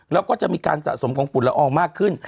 แล้วก็จะมีการสะสมของฝุ่นละอองมากขึ้น